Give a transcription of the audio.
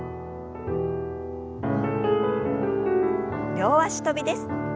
両脚跳びです。